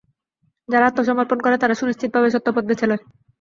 যারা আত্মসমর্পণ করে তারা সুনিশ্চিতভাবে সত্য পথ বেছে লয়।